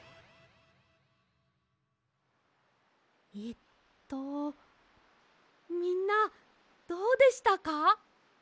えっとみんなどうでしたか？